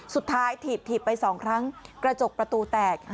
สุดท้ายถีบไปสองครั้งกระจกประตูแตก